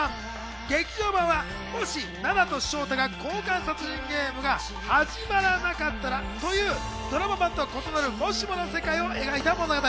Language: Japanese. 劇場版はもし、菜奈と翔太が交換殺人ゲームが始まらなかったらというドラマ版とは異なる、もしもの世界を描いた物語。